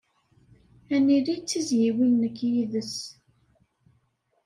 Ad nili d tizzyiwin nekk yid-s.